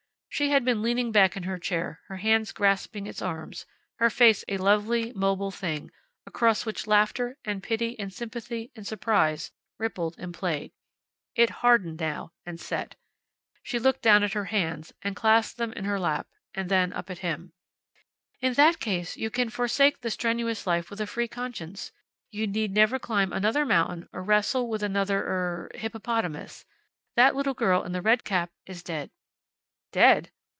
She had been leaning back in her chair, her hands grasping its arms, her face a lovely, mobile thing, across which laughter, and pity, and sympathy and surprise rippled and played. It hardened now, and set. She looked down at her hands, and clasped them in her lap, then up at him. "In that case, you can forsake the strenuous life with a free conscience. You need never climb another mountain, or wrestle with another er hippopotamus. That little girl in the red cap is dead." "Dead?"